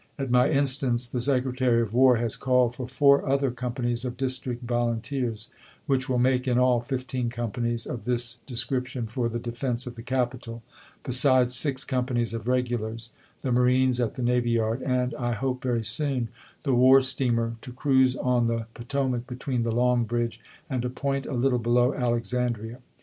At my instance the Secretary of War has called for four other companies of District volunteers, which will make in all fifteen companies of this description for the defense of the Capital, besides six companies of regulars, the marines at the navy yard, and (I hope very soon) the war steamer to cruise on the Potomac between the Long Bridge and a point a little below Alexandria.